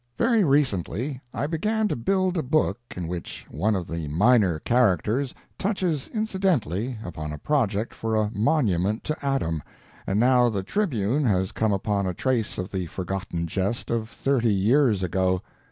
Very recently I began to build a book in which one of the minor characters touches incidentally upon a project for a monument to Adam, and now the _Tribune _has come upon a trace of the forgotten jest of thirty years ago.